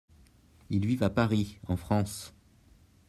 Ils vivent à Paris, en France.